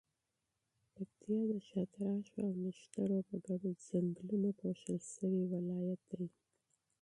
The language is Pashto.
پکتیا د شاتراشو او نښترو په ګڼو ځنګلونو پوښل شوی ولایت دی.